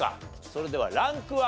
それではランクは？